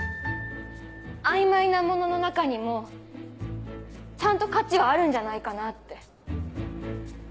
曖昧なものの中にもちゃんと価値はあるんじゃないかなって。